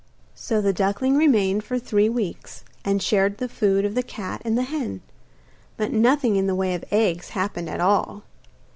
So the duckling remained for three weeks, and shared the food of the cat and the hen; but nothing in the way of eggs happened at all.